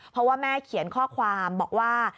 เพราะว่าแม่เขียนข้อความบอกว่า